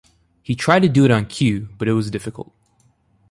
He tried to do it on cue, but it was difficult.